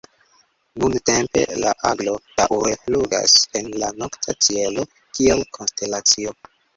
Nuntempe la Aglo daŭre flugas en la nokta ĉielo kiel konstelacio.